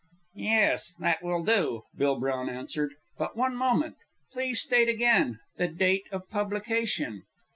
"Yes, that will do," Bill Brown answered. "But one moment. Please state again the date of publication."